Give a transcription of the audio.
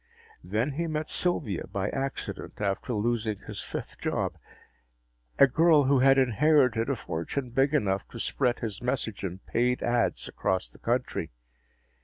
_ Then he met Sylvia by accident after losing his fifth job a girl who had inherited a fortune big enough to spread his message in paid ads across the country.